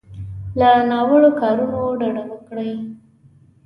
له ناوړو کارونو ډډه وکړي.